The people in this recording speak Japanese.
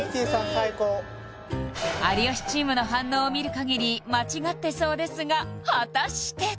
最高嬉しい有吉チームの反応を見るかぎり間違ってそうですが果たして？